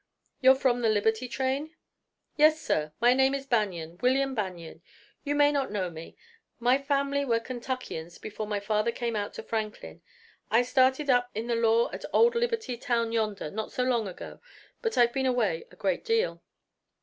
"You're from the Liberty train?" "Yes, sir. My name is Banion William Banion. You may not know me. My family were Kentuckians before my father came out to Franklin. I started up in the law at old Liberty town yonder not so long ago, but I've been away a great deal."